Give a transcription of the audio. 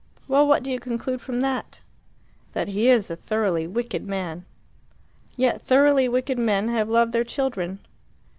"Well, what do you conclude from that?" "That he is a thoroughly wicked man." "Yet thoroughly wicked men have loved their children.